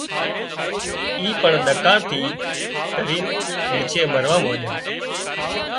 اي پڻ ۮڪاۯ ٿي ڪرينَ ڀُوڇي مروا مانڏيا